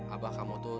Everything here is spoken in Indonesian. abah kamu tuh